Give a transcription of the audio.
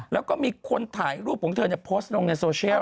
แล้วก็มีคนถ่ายรูปของเธอโพสต์ลงในโซเชียล